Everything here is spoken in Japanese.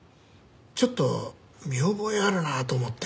ちょっと見覚えあるなと思って。